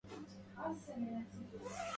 أدفع الضرائب.